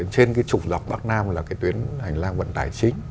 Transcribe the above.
trên trục dọc bắc nam là tuyến hành lang vận tải chính